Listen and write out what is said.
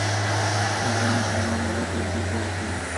নাল্লা, তুই কি করছিলি?